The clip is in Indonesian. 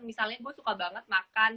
misalnya gue suka banget makan